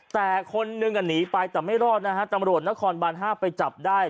แต่คนหนึ่งหนีไปแต่ไม่รอดนะฮะตำรวจนครบาน๕ไปจับได้